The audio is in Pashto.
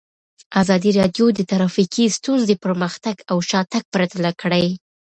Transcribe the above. ازادي راډیو د ټرافیکي ستونزې پرمختګ او شاتګ پرتله کړی.